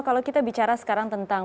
kalau kita bicara sekarang tentang